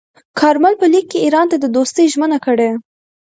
کارمل په لیک کې ایران ته د دوستۍ ژمنه کړې.